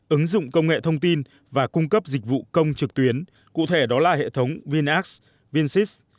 ứng dụng công nghệ thông tin và cung cấp dịch vụ công trực tuyến cụ thể đó là hệ thống vin ax vin sys